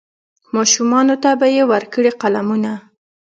ماشومانو ته به ورکړي قلمونه